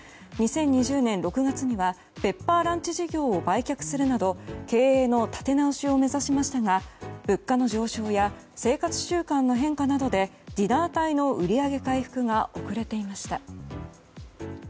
２０２０年６月にはペッパーランチ事業を売却するなど経営の立て直しを目指しましたが物価の上昇や生活習慣の変化などでディナー帯の売り上げ回復が遅れていました。